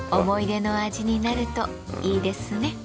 思い出の味になるといいですね。